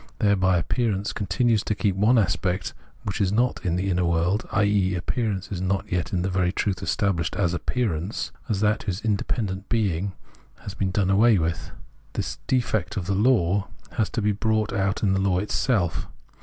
Thereby appearance continues to keep one aspect which is not in the inner world; i.e. appearance is not yet in very truth established as appearance, as that whose inde pendent being has been done away with. This defect in the law has to be brought out in the law itself.